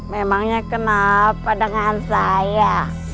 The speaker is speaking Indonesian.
memangnya kenapa dengan saya